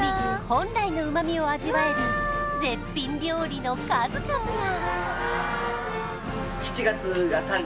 本来の旨みを味わえる絶品料理の数々が！